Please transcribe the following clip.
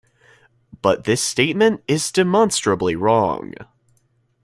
But this statement is demonstrably wrong.